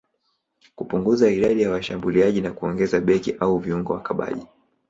kupunguza idadi ya washambuliaji na kuongeza beki au viungo wakabaji